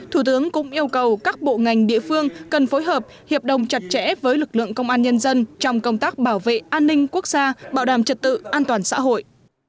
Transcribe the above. thủ tướng cũng yêu cầu các bộ ngành địa phương cần phối hợp hiệp đồng chặt chẽ với lực lượng công an nhân dân trong công tác bảo vệ an ninh quốc gia bảo đảm trật tự an toàn xã hội